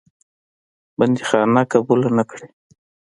بندیخانه قبوله نه کړې.